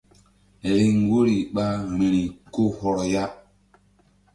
Riŋ woyri ɓa vbi̧ri ko hɔrɔ ya.